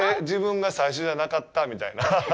自分が最初じゃなかった？みたいな。